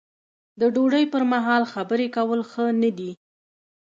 د ډوډۍ پر مهال خبرې کول ښه نه دي.